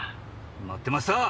待ってましたー！